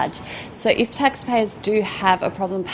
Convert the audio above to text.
jadi jika pengusaha memiliki masalah